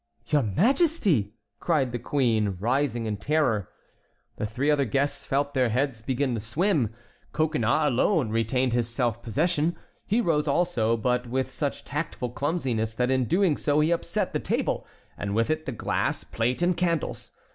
"Your Majesty!" cried the queen, rising in terror. The three other guests felt their heads begin to swim; Coconnas alone retained his self possession. He rose also, but with such tactful clumsiness that in doing so he upset the table, and with it the glass, plate, and candles.